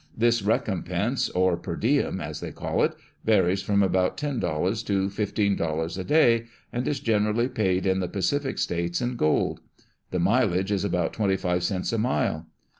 This recompense, or per diem, as they call it, varies from about ten dollars to fifteen dollars a day, and is generally paid in the Pacific states in gold. The mileage is about twenty five cents a mile.